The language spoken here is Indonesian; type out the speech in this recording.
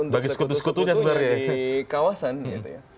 bagi sekutu sekutunya sebenarnya